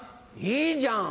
いいじゃん。